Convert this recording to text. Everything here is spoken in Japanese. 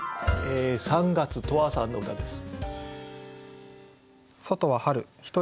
三月とあさんの歌です。